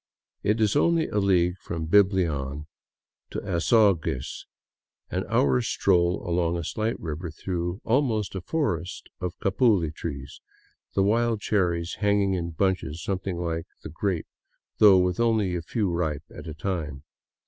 It is only a league from Biblian to Azogues ; an hour's stroll along a slight river through almost a forest of capuli trees, the wild cherries hanging in bunches something like the grape, though with only a few ripe at a time.